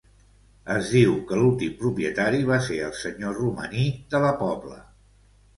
Es diu que l'últim propietari va ser el senyor Romaní, de la Pobla.